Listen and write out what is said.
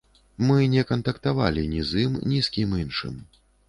Мы не кантактавалі ні з ім, ні з кім іншым.